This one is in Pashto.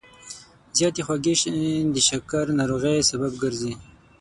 زیاتې خوږې د شکر ناروغۍ سبب ګرځي.